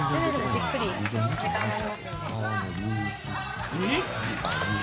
じっくり、時間はありますので。